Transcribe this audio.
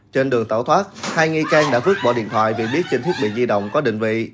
trên đường tẩu thoát hai nghi can đã vứt bỏ điện thoại vì biết trên thiết bị di động có định vị